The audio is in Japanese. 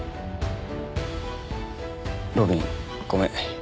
路敏ごめん。